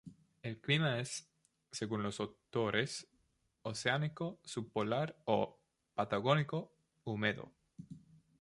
El clima es, según los autores, oceánico subpolar o "patagónico húmedo".